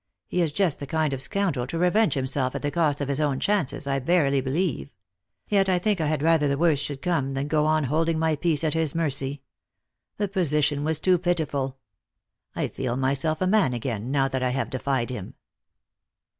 He is just the kind of scoundrel to revenge himself at the cost of his own chances, I verily believe ; yet I think I had rather the worst should come than go on holding my peace at his mercy. The position was too pitiful. I feel myself a man again, now that I have defied him."